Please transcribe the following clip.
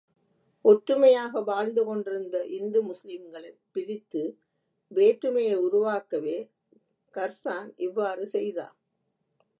ஒற்றுமையாக வாழ்ந்து கொண்டிருந்த இந்து முஸ்லீம்களைப் பிரித்து வேற்றுமையை உருவாக்கவே கர்சான் இவ்வாறு செய்தான்.